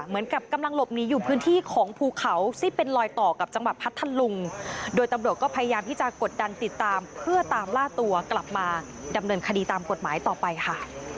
เหมือนกับกำลังหลบหนีอยู่พื้นที่ของภูเขาซึ่งเป็นลอยต่อกับจังหวัดพัทธลุงโดยตำรวจก็พยายามที่จะกดดันติดตามเพื่อตามล่าตัวกลับมาดำเนินคดีตามกฎหมายต่อไปค่ะ